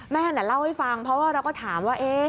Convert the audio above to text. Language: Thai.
เล่าให้ฟังเพราะว่าเราก็ถามว่า